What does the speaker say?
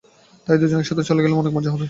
তাই দুজন একসাথে গেলে অনেক মজা হবে।